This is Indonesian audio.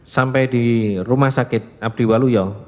sampai di rumah sakit abdi waluyo